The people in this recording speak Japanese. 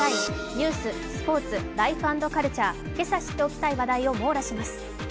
ニュース、スポーツ、「ライフ＆カルチャー」、けさ知っておきたい話題を網羅します。